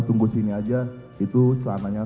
tunggu sini aja itu celananya